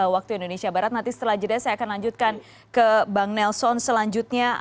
waktu indonesia barat nanti setelah jeda saya akan lanjutkan ke bang nelson selanjutnya